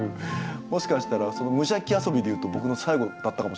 もしかしたら無邪気遊びで言うと僕の最後だったかもしれないですけど。